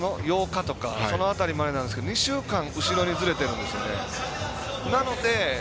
１０月の８日とかその辺りまでなんですけど２週間、後ろにずれてるんですよね。